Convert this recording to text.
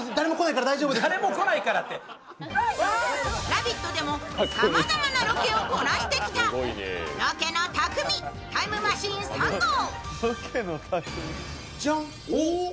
「ラヴィット！」でもさまざまなロケをこなしてきたロケの匠、タイムマシーン３号。